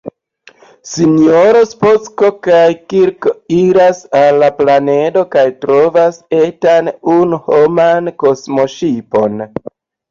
Sinjoro Spock kaj Kirk iras al la planedo kaj trovas etan unu-homan kosmoŝipon.